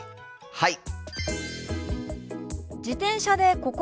はい！